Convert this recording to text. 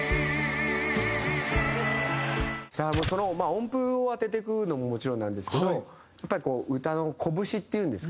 音符を当てていくのももちろんなんですけどやっぱりこう歌のこぶしっていうんですか？